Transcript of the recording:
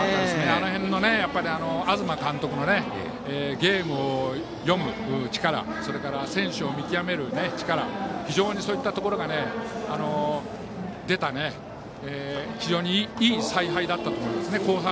あの辺の東監督のゲームを読む力それから選手を見極める力そういったところが出た非常にいい采配だったと思いますね。